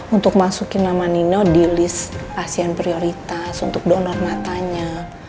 untuk masukin nama nino di list asean prioritas untuk donor matanya